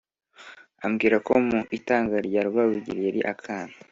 ambwira ko mu itanga rya Rwabugili yari akana